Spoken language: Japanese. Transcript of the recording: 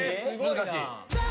難しい。